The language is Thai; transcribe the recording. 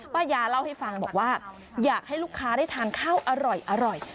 ป้ายาเล่าให้ฟังบอกว่าอยากให้ลูกค้าได้ทานข้าวอร่อย